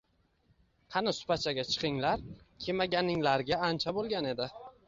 Qani suppachaga chiqinglar kemaganinglarga ancha bo’lgan edi.